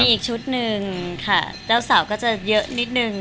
มีอีกชุดหนึ่งค่ะเจ้าสาวก็จะเยอะนิดนึง